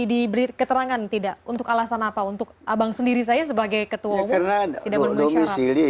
diberi keterangan tidak untuk alasan apa untuk abang sendiri saya sebagai ketua umum tidak memenuhi syarat